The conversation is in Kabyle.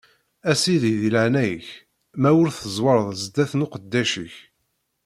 A sidi, di leɛnaya-k, ma ur tezwareḍ zdat n uqeddac-ik.